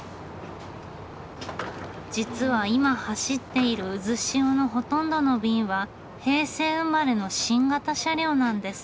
実は今走っているうずしおのほとんどの便は平成生まれの新型車両なんです。